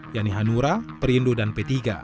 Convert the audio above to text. yanihanura perindo dan p tiga